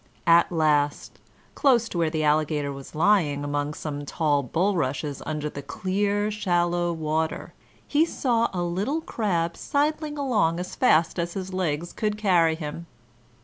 At last, close to where the Alligator was lying among some tall bulrushes under the clear, shallow water, he saw a little crab sidling along as fast as his legs could carry him.